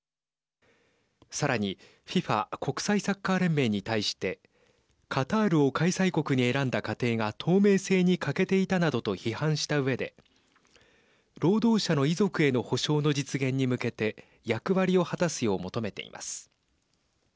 さらにＦＩＦＡ＝国際サッカー連盟に対してカタールを開催国に選んだ過程が透明性に欠けていたなどと批判したうえで労働者の遺族への補償の実現に向けて役割を果たすよう求めています。